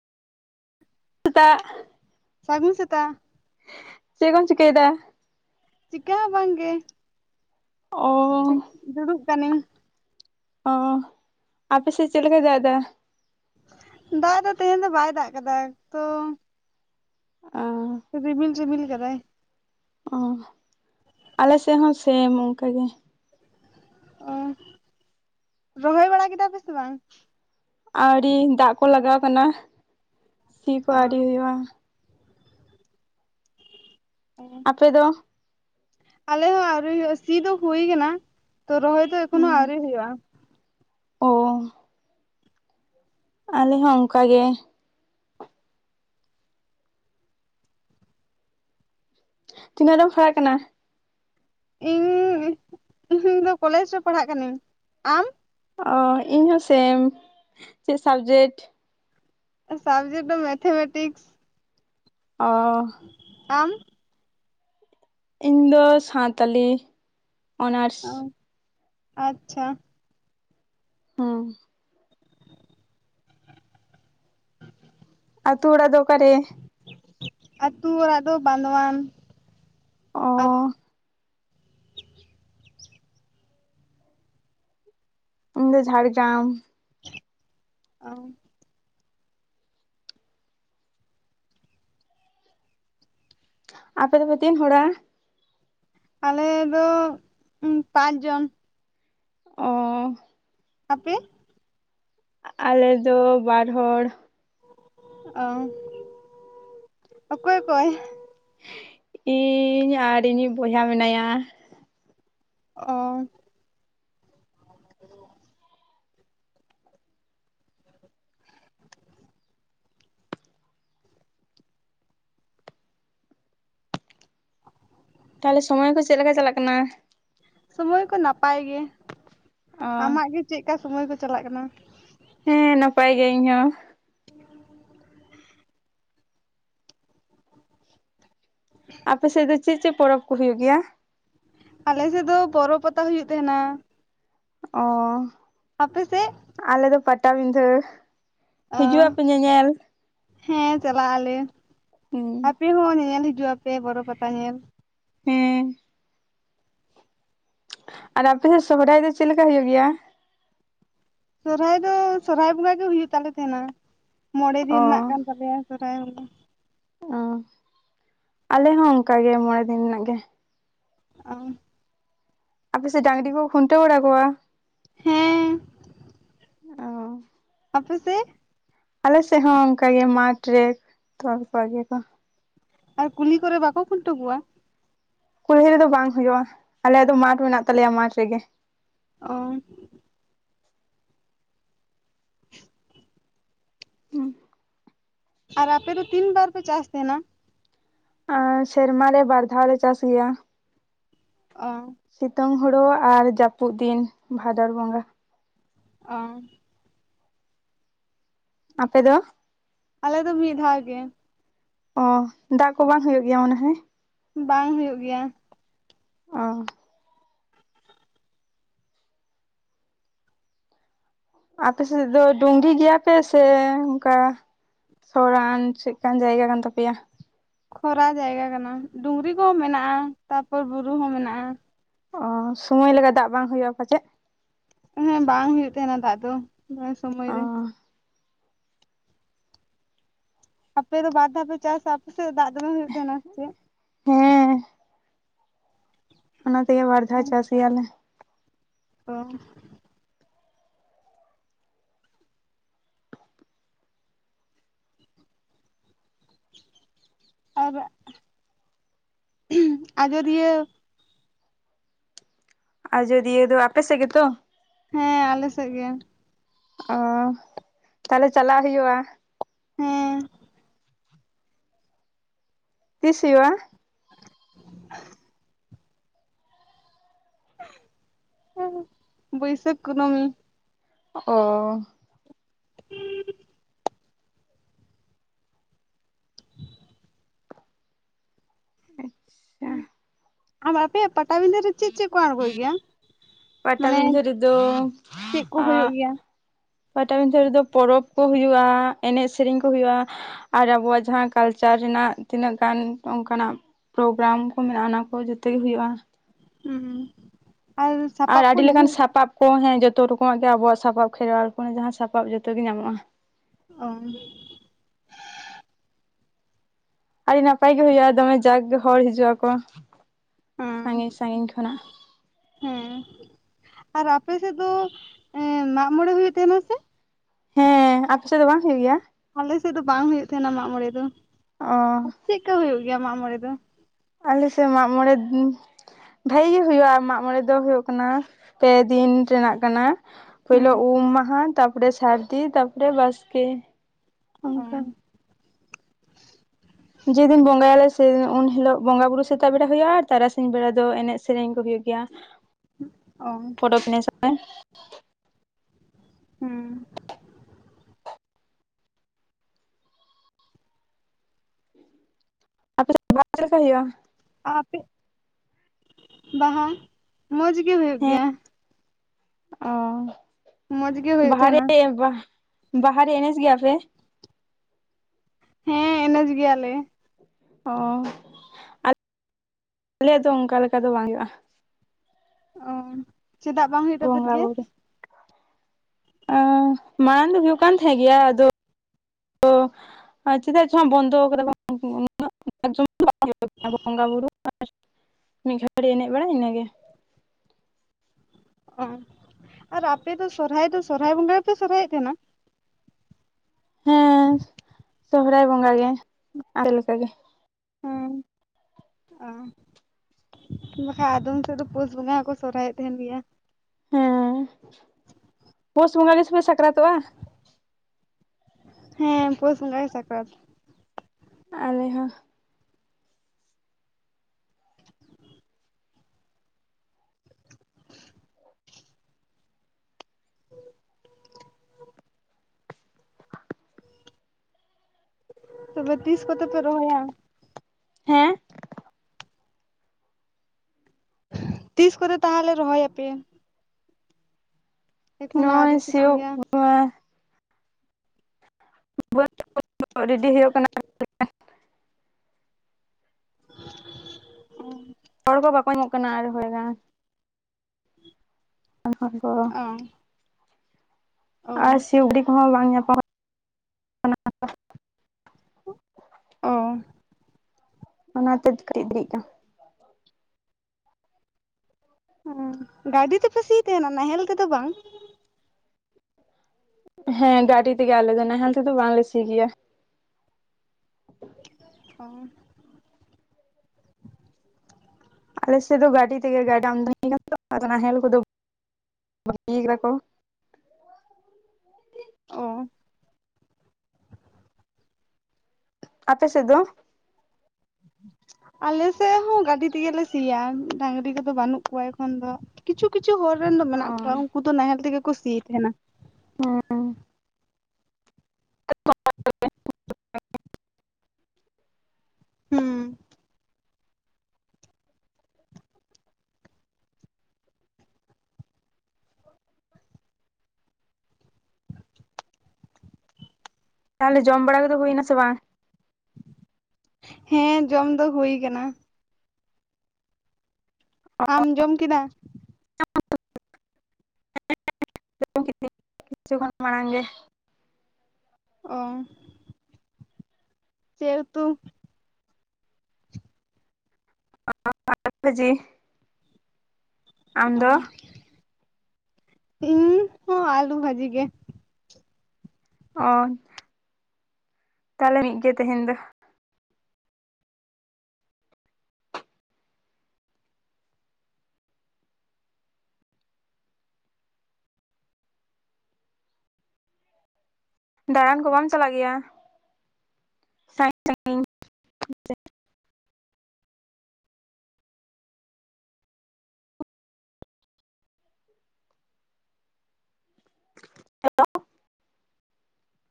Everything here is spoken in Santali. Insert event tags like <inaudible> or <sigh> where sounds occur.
<unintelligible> ᱥᱟᱹᱜᱩᱱ ᱥᱮᱛᱟᱜ ᱾ ᱪᱮᱜ ᱠᱚᱢ ᱪᱤᱠᱟᱹᱭ ᱫᱟ? ᱪᱤᱠᱟᱹ ᱦᱚᱸ ᱵᱟᱝ ᱜᱮ, ᱚ ᱫᱩᱲᱩᱵ ᱠᱟᱹᱱᱟᱹᱧ ᱾ ᱚᱻ ᱟᱯᱮ ᱥᱮᱜ ᱪᱮᱜ ᱞᱮᱠᱟᱭ ᱫᱟᱜ ᱮᱫᱟ? ᱫᱟᱜ ᱮᱫᱟ ᱛᱮᱦᱮᱧ ᱫᱚ ᱵᱟᱭ ᱫᱟᱜ ᱠᱟᱫᱟᱭ ᱛᱚᱻ ᱚᱻ ᱨᱤᱢᱤᱞ ᱨᱤᱢᱤᱞ ᱠᱟᱫᱟᱭ ᱾ ᱚ ᱟᱞᱮ ᱥᱮᱜ ᱦᱚᱸ ᱥᱮᱢ ᱚᱝᱠᱟ ᱜᱮ, ᱚ ᱨᱚᱦᱚᱭ ᱵᱟᱲᱟ ᱠᱮᱫᱟ ᱯᱮ ᱥᱮ ᱵᱟᱝ? ᱟᱣᱨᱤ ᱫᱟᱜ ᱠᱚ ᱞᱟᱜᱟᱣ ᱠᱟᱱᱟ ᱥᱤ ᱠᱚ ᱚ ᱟᱣᱨᱤ ᱦᱩᱭᱩᱜᱼᱟ ᱾ ᱚ ᱟᱯᱮ ᱫᱚ? ᱟᱞᱮ ᱦᱚᱸ ᱟᱣᱨᱤ ᱦᱩᱭᱩᱜᱼᱟ ᱾ ᱥᱤ ᱫᱚ ᱦᱩᱭ ᱠᱟᱱᱟ ᱛᱚ ᱨᱚᱦᱚᱭ ᱫᱚ ᱮᱠᱷᱚᱱᱳ ᱟᱣᱨᱤ ᱦᱩᱭᱩᱜᱼᱟ ᱾ ᱚᱻ ᱟᱞᱮ ᱦᱚᱸ ᱚᱝᱠᱟᱜᱮ ᱛᱤᱱᱟᱹᱜ ᱨᱮᱢ ᱯᱟᱲᱦᱟᱜ ᱠᱟᱱᱟ? ᱤᱧᱻ ᱤᱧ ᱫᱚ ᱠᱚᱞᱮᱡᱽ ᱨᱮ ᱯᱟᱲᱦᱟᱜ ᱠᱟᱱᱟᱹᱧ, ᱟᱢ? ᱚᱻ ᱤᱧ ᱦᱚᱸ ᱥᱮᱢ ᱪᱮᱫ ᱥᱟᱵᱽᱡᱮᱴ ᱥᱟᱵᱡᱮᱴ ᱫᱚ ᱢᱮᱛᱷᱟᱢᱮᱴᱤᱠᱥ ᱚᱻ ᱟᱢ? ᱤᱧ ᱫᱚ ᱥᱟᱶᱛᱟᱞᱤ ᱚᱱᱟᱨᱥ ᱚᱻ ᱟᱪᱪᱷᱟ ᱦᱚᱸ ᱟᱹᱛᱩ ᱚᱲᱟᱜ ᱫᱚ ᱚᱠᱟᱨᱮ? ᱟᱹᱛᱩ ᱚᱲᱟᱜ ᱫᱚ ᱵᱟᱸᱫᱣᱟᱱ ᱟᱨ ᱚᱻ ᱤᱧ ᱫᱚ ᱡᱷᱟᱲᱜᱨᱟᱢ ᱚᱻ ᱟᱯᱮ ᱫᱚ ᱯᱮ ᱛᱤᱱ ᱦᱚᱲᱟ? ᱟᱞᱮ ᱫᱚ ᱩᱸ ᱯᱟᱸᱪ ᱡᱚᱱ ᱚᱻ ᱟᱯᱮ? ᱟᱞᱮ ᱫᱚ ᱵᱟᱨ ᱦᱚᱲ ᱚ ᱚᱠᱚᱭ ᱠᱚᱭ? ᱤᱧ ᱟᱨ ᱤᱧᱤᱡ ᱵᱚᱭᱦᱟ ᱢᱮᱱᱟᱭᱟ ᱚᱻ ᱛᱟᱦᱚᱞᱮ ᱥᱚᱢᱚᱭ ᱠᱚ ᱪᱮᱫ ᱞᱮᱠᱟ ᱪᱟᱞᱟᱜ ᱠᱟᱱᱟ ᱥᱚᱢᱚᱭ ᱠᱚ ᱱᱟᱯᱟᱭ ᱜᱮ ᱚ ᱟᱢᱟᱜ ᱜᱮ ᱪᱮᱫ ᱞᱮᱠᱟ ᱥᱚᱢᱚᱭ ᱠᱚ ᱪᱟᱞᱟᱜ ᱠᱟᱱᱟ ᱾ ᱦᱮᱸ ᱱᱟᱯᱟᱭ ᱜᱮ ᱤᱧ ᱦᱚᱸ ᱟᱯᱮ ᱥᱮᱫ ᱫᱚ ᱪᱮᱫ ᱪᱮᱫ ᱯᱚᱨᱚᱵᱽ ᱠᱚ ᱦᱩᱭᱩᱜ ᱜᱮᱭᱟ ᱟᱞᱮ ᱥᱮᱫ ᱫᱚ ᱵᱚᱨᱚ ᱯᱟᱛᱟ ᱦᱩᱭᱩᱜ ᱛᱟᱦᱮᱸᱱᱟ ᱚ ᱟᱯᱮ ᱥᱮᱛ ᱟᱞᱮ ᱫᱚ ᱯᱟᱴᱟᱵᱤᱷᱟᱹ ᱦᱤᱡᱩᱜ ᱚ ᱟᱯᱮ ᱧᱮᱧᱮᱞ ᱦᱮᱸ ᱪᱟᱞᱟᱜ ᱟᱞᱮ ᱦᱩᱸ ᱟᱯᱮ ᱦᱚᱸ ᱧᱮᱧᱮᱞ ᱦᱤᱡᱩᱜ ᱟᱯᱮ ᱵᱚᱨᱚ ᱯᱟᱛᱟ ᱧᱮᱞ ᱦᱮᱸ ᱟᱨ ᱟᱯᱮᱭᱟᱜ ᱥᱚᱦᱚᱨᱟᱭ ᱫᱚ ᱪᱮᱫ ᱞᱮᱠᱟ ᱦᱩᱭᱩᱜ ᱜᱮᱭᱟ ᱥᱚᱨᱦᱟᱭ ᱫᱚ ᱥᱚᱨᱦᱟᱭ ᱵᱚᱸᱜᱟ ᱜᱮ ᱦᱩᱭᱩᱜ ᱛᱟᱞᱮ ᱛᱟᱦᱮᱸᱱᱟ ᱢᱚᱬᱮ ᱚ ᱫᱤᱱ ᱨᱮᱱᱟᱜ ᱠᱟᱱ ᱛᱟᱞᱮᱭᱟ ᱥᱚᱨᱦᱟᱭ ᱦᱩᱭᱩᱜᱼᱟ <inaudible> ᱚ ᱟᱞᱮ ᱦᱚᱸ ᱚᱱᱠᱟ ᱜᱮ ᱢᱚᱬᱮ ᱫᱤᱱ ᱨᱮᱱᱟᱜ ᱜᱮ ᱟᱨ <inaudible> ᱟᱯ ᱥᱮᱱ ᱰᱟᱝᱨᱤ ᱠᱚ ᱠᱷᱩᱱᱴᱟᱹ ᱵᱟᱲᱟ ᱠᱚᱣᱟ ᱦᱮᱸ ᱚ ᱟᱯᱮ ᱥᱮ ᱟᱞᱮ ᱥᱮᱫ ᱦᱚᱸ ᱚᱱᱠᱟ ᱜᱮ ᱢᱟᱴᱷ ᱨᱮ ᱛᱚᱞ ᱠᱚ ᱜᱮᱭᱟᱠᱚ ᱟᱨ ᱠᱩᱞᱤ ᱠᱚᱨᱮ ᱵᱟᱠᱚ ᱠᱷᱩᱱᱴᱟᱹᱣ ᱠᱚᱣᱟ ᱠᱩᱞᱦᱤ ᱨᱮᱫᱚ ᱵᱟᱝ ᱦᱩᱭᱩᱜ-ᱟ ᱟᱞᱮᱭᱟᱜ ᱫᱚ ᱢᱟᱴᱷ ᱢᱮᱱᱟᱜ ᱛᱟᱞᱮᱭᱟ ᱢᱟᱴᱷ ᱨᱮᱜᱮ ᱚ <inaudible> ᱟᱨ ᱟᱯᱮ ᱫᱚ ᱛᱤᱱ ᱵᱟᱨ ᱯᱮ ᱪᱟᱥ ᱛᱟᱦᱮᱸᱱᱟ ᱮ ᱥᱮᱨᱢᱟ ᱨᱮ ᱵᱟᱨ ᱫᱷᱟᱣ ᱞᱮ ᱪᱟᱥ ᱜᱮᱭᱟ ᱚ ᱥᱤᱛᱩᱝ ᱦᱳᱲᱳ ᱟᱨ ᱡᱟᱹᱯᱩᱫ ᱫᱤᱱ ᱵᱷᱟᱫᱚᱨ ᱵᱚᱸᱜᱟ ᱚ ᱟᱯᱮ ᱫᱚ ᱟᱞ ᱫᱚ ᱢᱤᱫ ᱫᱷᱟᱣ ᱜᱮ ᱚ ᱫᱟᱜ ᱠᱚ ᱵᱟᱝ ᱦᱩᱭᱩᱜ ᱜᱮᱭᱟ ᱢᱚᱱᱮ ᱦᱚᱭ ᱵᱟᱝ ᱦᱩᱭᱩᱜ ᱜᱮᱭᱟ ᱚ ᱟᱯᱮ ᱥᱮᱫ ᱫᱚ ᱰᱩᱝᱨᱤ ᱜᱮᱭᱟ ᱯᱮ ᱥᱮ ᱚᱱᱠᱟ ᱥᱚᱲᱟᱱ ᱪᱮᱫ ᱠᱟᱱ ᱡᱟᱭᱜᱟ ᱠᱟᱱ ᱛᱟᱯᱮᱭᱟ ᱠᱷᱚᱨᱟ ᱡᱟᱭᱜᱟ ᱠᱟᱱᱟ ᱰᱩᱝᱨᱤ ᱠᱚ ᱦᱚᱸ ᱢᱮᱱᱟᱜᱼᱟ ᱛᱟᱯᱚᱨ ᱵᱩᱨᱩ ᱦᱚᱸ ᱢᱮᱱᱟᱜᱼᱟ ᱚ ᱥᱳᱚᱢᱚᱭ ᱞᱮᱠᱟ ᱫᱟᱜ ᱵᱟᱝ ᱦᱩᱭᱩᱜᱼᱟ ᱯᱟᱪᱮᱫ ᱦᱮᱸ ᱵᱟᱝ ᱦᱩᱭᱩᱜ ᱛᱟᱦᱮᱸᱱᱟ ᱫᱟᱜ ᱫᱚ ᱚᱱᱟ ᱥᱚᱢᱚᱭ ᱨᱮ <inaudible> ᱟᱯᱮ ᱫᱚ ᱵᱟᱨ ᱫᱷᱟᱣ ᱯᱮ ᱪᱟᱥᱟ ᱟᱯᱮ ᱥᱮᱫ ᱫᱟᱜ ᱡᱚᱢᱮ ᱦᱩᱭᱩᱜ ᱛᱟᱦᱮᱸᱱᱟ ᱥᱮ ᱪᱮᱫ ᱦᱮᱸ ᱚᱱᱟ ᱛᱮ ᱵᱟᱨ ᱫᱷᱟᱣ ᱪᱟᱥ ᱜᱮᱭᱟᱞᱮ ᱚ ᱟᱨ ᱟᱡᱚᱫᱤᱭᱟᱹ ᱟᱡᱚᱫᱤᱭᱟᱹ ᱫᱚ ᱟᱯᱮ ᱥᱮᱫ ᱜᱮᱛᱚ ᱦᱮᱸ ᱟᱞᱮ ᱥᱮᱫ ᱜᱮ ᱚ ᱛᱟᱦᱚᱞᱮ ᱪᱟᱞᱟᱜ ᱦᱩᱭᱩᱜᱼᱟ ᱦᱩᱸ ᱛᱤᱥ ᱦᱩᱭᱩᱜᱼᱟ <inaudible> <unintelligible> ᱵᱟᱹᱭᱥᱟᱹᱠᱷ ᱠᱩᱱᱟᱹᱢᱤ ᱚ ᱦᱮᱸ <unintelligible> <unintelligible> ᱟᱪᱪᱷᱟ ᱟ ᱟᱯᱮᱭᱟᱜ ᱯᱟᱴᱟᱵᱤᱸᱫᱷᱟᱹ ᱨᱮ ᱪᱮᱫ ᱪᱮᱫ ᱠᱚ ᱟᱬᱜᱚᱭ ᱜᱮᱭᱟ? ᱢᱟᱱᱮ, ᱯᱟᱴᱟᱵᱤᱸᱫᱷᱟᱹ ᱪᱮᱫ ᱠᱚ ᱦᱩᱭᱩᱜ <unintelligible> ᱜᱮᱭᱟ ᱯᱟᱴᱟᱵᱤᱸᱫᱷᱟᱹ ᱨᱮᱫᱚ ᱯᱚᱨᱚᱵᱽ ᱠᱚ ᱦᱩᱭᱩᱜᱼᱟ, ᱮᱱᱮᱡ ᱥᱮᱨᱮᱧ ᱠᱚ ᱦᱩᱭᱩᱜᱼᱟ᱾ ᱟᱨ ᱟᱵᱚᱣᱟᱜ ᱡᱟᱦᱟᱸ ᱠᱟᱞᱪᱟᱨ ᱨᱮᱱᱟᱜ ᱛᱤᱱᱟᱹᱜ ᱜᱟᱱ ᱚᱱᱠᱟᱱᱟᱜ ᱯᱨᱳᱜᱨᱟᱢ ᱠᱚ ᱢᱮᱱᱟᱜᱼᱟ ᱚᱱᱟ ᱠᱚ ᱡᱚᱛᱚ ᱜᱮ ᱦᱩᱭᱩᱜᱼᱟ᱾ ᱟᱨ ᱥᱟᱯᱟᱵ ᱠᱚ ᱧᱟᱢᱚᱜ ᱜᱮᱹᱹᱹ <unintelligible> ᱚ ᱦᱮᱸ, ᱡᱚᱛᱚ ᱨᱚᱠᱚᱢᱟᱜ ᱜᱮ ᱟᱵᱚᱣᱟᱜ ᱥᱟᱯᱟᱵ ᱠᱷᱮᱨᱣᱟᱲ ᱠᱚ ᱡᱟᱦᱟᱸ ᱥᱟᱯᱟᱵ ᱡᱚᱛᱚ ᱜᱮ ᱧᱟᱢᱚᱜᱼᱟ᱾ ᱚ ᱟᱹᱰᱤ ᱱᱟᱯᱟᱭ ᱜᱮ ᱦᱩᱭᱩᱜᱼᱟ᱾ ᱫᱚᱢᱮ ᱡᱟᱠ ᱦᱚᱲ ᱦᱤᱡᱩᱜ ᱟᱠᱚ ᱦᱮᱸ ᱥᱟᱺᱜᱤᱧ ᱥᱟᱺᱜᱤᱧ ᱠᱷᱚᱱᱟᱜ᱾ ᱦᱮᱸ, ᱟᱨ ᱟᱯᱮ ᱥᱮᱫ ᱫᱚ ᱢᱟᱜᱢᱚᱬᱮ ᱦᱩᱭᱩᱜ ᱛᱟᱦᱮᱱᱟ ᱥᱮ? ᱦᱮᱸ᱾ ᱟᱯᱮᱥᱮᱫ ᱫᱚ ᱵᱟᱝ ᱦᱩᱭᱩᱜ ᱜᱮᱭᱟ? ᱟᱞᱮ ᱥᱮᱫ ᱫᱚ ᱵᱟᱝ ᱦᱩᱭᱩᱜ ᱛᱟᱦᱮᱱᱟ, ᱢᱟᱜ ᱢᱚᱬᱮ ᱫᱚ᱾ ᱚ ᱪᱮᱫᱠᱟ ᱦᱩᱭᱩᱜ ᱜᱮᱭᱟ, ᱢᱟᱜ ᱢᱚᱬᱮ ᱫᱚ? ᱟᱞᱮ ᱥᱮᱫ, ᱢᱟᱜ ᱢᱚᱬᱮ ᱫᱤᱱᱹᱹᱹ <unintelligible> ᱵᱷᱟᱜᱤ ᱜᱮ ᱦᱩᱭᱩᱜᱼᱟ, ᱢᱟᱜ ᱢᱚᱬᱮ ᱫᱚ ᱦᱩᱭᱩᱜ ᱠᱟᱱᱟ ᱯᱮ ᱫᱤᱱ ᱨᱮᱱᱟᱜ ᱠᱟᱱᱟ᱾ ᱦᱩᱸ ᱯᱳᱭᱞᱳ ᱩᱢ ᱢᱟᱦᱟ, ᱛᱟᱯᱚᱨᱮ ᱥᱟᱹᱨᱫᱤ, ᱛᱟᱯᱚᱨᱮ ᱵᱟᱥᱠᱮ᱾ ᱚᱱᱠᱟ ᱡᱮᱫᱤᱱ ᱵᱚᱸᱜᱟᱭ ᱟᱞᱮ ᱥᱮᱫᱤᱱ ᱩᱱ ᱦᱤᱞᱳᱜ ᱵᱚᱸᱜᱟ ᱵᱩᱨᱩ ᱥᱮᱛᱟᱜ ᱵᱮᱲᱟ ᱦᱩᱭᱩᱼᱟ, ᱛᱟᱨᱟᱥᱤᱧ ᱵᱮᱲᱟ ᱫᱚ ᱮᱱᱮᱡ ᱥᱮᱨᱮᱧ ᱠᱩ ᱜᱤ ᱦᱳᱭᱩᱜ ᱜᱤᱭᱟ ᱾ <inaudible> ᱚᱝᱻ ᱯᱷᱳᱴᱳ ᱠᱤᱤᱱ ᱥ <unintelligible> ᱦᱩᱸᱻ ᱟᱯᱮᱥᱮᱫ ᱵᱟ ᱞᱮᱠᱟ ᱦᱩᱭᱩᱜᱼᱟ <unintelligible> ᱟᱼᱯᱮ ᱵᱟᱦᱟ ᱢᱚᱡᱽ ᱜᱤ ᱦᱩᱭᱩᱜ ᱜᱤᱭᱟ? ᱚᱻ ᱢᱚᱸᱡᱽ ᱜᱮ ᱦᱩᱭᱩᱜ ᱵᱟᱦᱟ ᱛᱟᱦᱮᱱᱟ ᱨᱮ ᱵᱟᱦᱟᱨᱮ ᱮᱱᱮᱡᱽ ᱜᱮᱭᱟ ᱯᱮ? ᱦᱮᱸ ᱮᱱᱮᱡᱽ ᱜᱤᱭᱟ ᱞᱮ ᱾ ᱚ, ᱟᱞᱮ ᱟᱜ ᱫᱚ ᱚᱱᱠᱟ ᱞᱮᱠᱟ ᱫᱚ ᱵᱟᱝᱼᱟ ᱾ ᱳᱝ ᱪᱮᱫᱟᱜ ᱵᱟᱝ ᱦᱩᱭᱩᱜ ᱛᱟᱯᱮᱫ ᱵᱚᱸᱜᱟ ᱜᱮ? ᱵᱩᱨᱩ ᱢᱟᱨᱟᱝ ᱫᱚ ᱦᱩᱭᱩᱜ ᱠᱟᱱ ᱛᱮᱦᱮᱱ ᱜᱤᱭᱟ ᱟᱫᱚᱼᱼ ᱛᱚ ᱪᱮᱫᱟᱜ ᱪᱳ ᱵᱚᱱᱫᱚ ᱠᱟᱫᱟ <unintelligible> ᱦᱩᱭᱩᱜ <unintelligible> ᱵᱚᱸᱜᱟ ᱵᱩᱨᱩ ᱟᱨ ᱢᱤᱫ ᱜᱷᱟᱹᱲᱤᱡ ᱮᱱᱮᱡ ᱵᱟᱲᱟᱭ ᱤᱱᱟᱹᱜᱮ ᱚᱸ ᱟᱨ ᱟᱯᱮ ᱫᱚ ᱥᱚᱨᱦᱟᱭ ᱫᱚ ᱥᱚᱨᱦᱟᱭ ᱵᱚᱸᱜᱟ ᱨᱮᱯᱮ ᱥᱚᱨᱦᱟᱭᱼᱜ ᱠᱟᱱᱟ ᱦᱮᱸ ᱥᱚᱦᱚᱨᱟᱭ ᱵᱚᱸᱜᱟ ᱜᱮ ᱟᱞᱮ ᱞᱮᱠᱟ ᱜᱮ ᱾ ᱩᱸᱻᱟᱸ ᱵᱟᱠᱷᱟ ᱟᱫᱚᱢ ᱥᱮᱫ ᱫᱚ ᱯᱩᱥ ᱵᱚᱸᱜᱟ ᱦᱚᱸᱠᱩ ᱥᱚᱦᱨᱟᱭᱼᱜ ᱛᱟᱦᱮᱱ ᱜᱤᱭᱟ ᱾ ᱦᱮᱸ ᱯᱩᱥ ᱵᱚᱸᱜᱟ ᱜᱮ ᱥᱮ ᱯᱮ ᱥᱟᱠᱨᱟᱛᱚᱜᱼᱟ ᱾ ᱦᱮᱸ ᱯᱩᱥ ᱵᱚᱸᱜᱟ ᱜᱮ ᱥᱟᱠᱨᱟᱛ ᱾ ᱟᱞᱮ ᱦᱚᱸ <inaudible> ᱛᱚᱵᱮ ᱛᱤᱥ ᱠᱚᱛᱮ ᱯᱮ ᱨᱚᱦᱚᱭᱼᱟ? ᱦᱮᱸ ᱛᱤᱥ ᱠᱚᱨᱮ ᱛᱟᱦᱚᱞᱮ ᱨᱚᱦᱚᱭᱟ ᱯᱮ? <unintelligible> <unintelligible> ᱮᱠᱷᱚᱱᱳ ᱱᱩᱭ ᱟᱹᱣᱨᱤ ᱯᱮ ᱥᱤᱭᱳᱜ ᱥᱤᱭᱟ? ᱠᱚᱣ ᱢ ᱟᱹ <unintelligible> ᱨᱮᱰᱤ ᱦᱩᱭᱩᱜ ᱠᱟᱱᱟ ᱦᱚᱲ ᱠᱚ ᱵᱟᱠᱚ ᱮᱢᱚᱜ ᱠᱟᱱᱟ ᱟᱨ ᱦᱳᱭ <unintelligible> <unintelligible> ᱚ ᱚ ᱟᱨ ᱥᱤᱣᱰᱤ ᱠᱚᱢᱟ ᱵᱟᱝ ᱧᱟᱯᱟᱢ ᱠᱟᱱᱟ ᱚ᱾ ᱚᱱᱟᱛᱮ <unintelligible> ᱦᱮᱸ ᱜᱟᱹᱰᱤ ᱛᱮ ᱯᱮ ᱥᱤᱭ ᱛᱟᱦᱮᱱᱟ ᱱᱟᱦᱮᱞ ᱛᱮᱫᱚ ᱵᱟᱝ᱾ ᱦᱮᱸ ᱜᱟᱹᱰᱤ ᱛᱮᱜᱮ ᱟᱞᱮ ᱫᱚ ᱱᱟᱦᱮᱞ ᱛᱮᱫᱚ ᱵᱟᱝᱞᱮ ᱥᱤ ᱜᱮᱭᱟ᱾ ᱚ᱾ ᱟᱞᱮᱥᱮᱫ ᱫᱚ ᱜᱟᱹᱰᱤ ᱛᱮᱜᱮ ᱜᱟᱰᱟ <unintelligible> ᱟᱫᱚ ᱱᱟᱦᱮᱞ ᱠᱚᱫᱚ ᱵᱷᱟᱹᱜᱤ ᱠᱟᱫᱟ ᱠᱚ᱾ ᱚ᱾ ᱟᱯᱮ ᱥᱮᱫ ᱫᱚ᱾ ᱟᱞᱮ ᱥᱮᱜ ᱦᱚᱸ ᱜᱟᱹᱰᱤ ᱛᱮᱜᱮᱞᱮ ᱥᱤᱭᱟ ᱰᱟᱝᱨᱤ ᱠᱚᱫᱚ ᱵᱟᱹᱱᱩᱜ ᱠᱚᱣᱟ ᱮᱠᱷᱚᱱ ᱫᱚ᱾ ᱠᱤᱪᱷᱩ ᱠᱤᱪᱷᱩ ᱦᱚᱲ ᱨᱮᱱ ᱫᱚ ᱚ ᱢᱮᱱᱟᱜ ᱠᱚᱣᱟ ᱩᱱᱠᱩ ᱫᱚ ᱱᱟᱦᱮᱞ ᱛᱮᱜᱮ ᱠᱚ ᱥᱤ ᱛᱟᱦᱮᱱᱟ᱾ ᱩ <inaudible> ᱦᱩᱸ᱾ <inaudible> ᱛᱟᱦᱚᱞᱮ ᱡᱚᱢ ᱵᱟᱲᱟ ᱠᱚᱫᱚ ᱦᱩᱭᱱᱟ ᱥᱮ ᱵᱟᱝ? ᱦᱮᱸ ᱡᱚᱢ ᱫᱚ ᱦᱳᱭ ᱠᱟᱱᱟ᱾ ᱟᱢ ᱡᱚᱢ ᱠᱮᱫᱟ? ᱠᱤᱪᱷ ᱠᱷᱚᱱ <inaudible> ᱢᱟᱲᱟᱝ ᱜᱮ᱾ ᱚ᱾ ᱪᱮᱫ ᱩᱛᱩ? ᱟᱴ <unintelligible> ᱵᱦᱟᱹᱡᱤ᱾ ᱚ ᱤᱧ ᱦᱚᱸ ᱟᱞᱩ ᱵᱷᱟᱹᱡᱤ ᱜᱮ᱾ ᱚ ᱛᱟᱦᱚᱞᱮ ᱢᱤᱫ ᱜᱮ ᱛᱮᱦᱮᱧ ᱫᱚ᱾ ᱫᱟᱬᱟᱱ ᱠᱚ ᱵᱟᱢ ᱪᱟᱞᱟᱜ ᱜᱮᱭᱟ? <inaudible> ᱦᱮᱞᱳ <inaudible>